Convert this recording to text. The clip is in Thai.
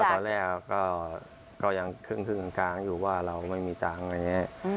ตอนแรกก็ยังครึ่งกลางอยู่ว่าเราไม่มีตังค์อะไรอย่างนี้